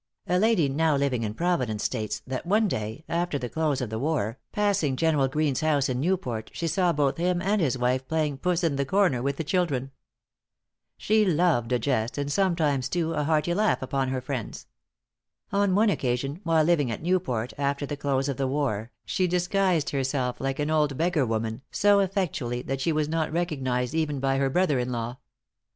A lady now living in Providence states, that one day, after the close of the war, passing General Greene's house in Newport, she saw both him and his wife playing "puss in the corner," with the children. She loved a jest, and sometimes too, a hearty laugh upon her friends. On one occasion, while living at Newport after the close of the war, she disguised herself like an old beggar woman, so effectually that she was not recognized even by her brother in law.